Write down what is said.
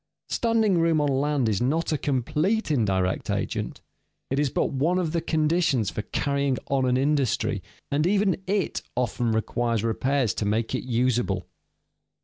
Standing room on land is not a complete indirect agent; it is but one of the conditions for carrying on an industry, and even it often requires repairs to make it usable.